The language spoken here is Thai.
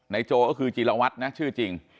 ในโจเลยคือจิลวัฏนะชื่อจริง